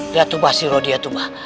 lihat tuh mbak si rodia tuh mbak